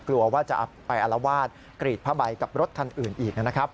กลัวว่าจะไปอารวาสกรีดผ้าใบกับรถคันอื่นอีกนะครับ